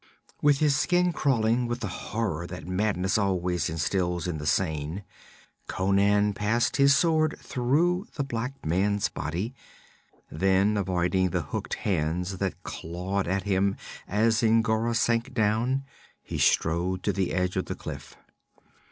With his skin crawling with the horror that madness always instils in the sane, Conan passed his sword through the black man's body; then, avoiding the hooked hands that clawed at him as N'Gora sank down, he strode to the edge of the cliff.